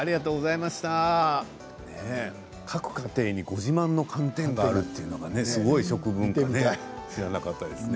各家庭にご自慢の寒天があるというのは、すごい食文化ね。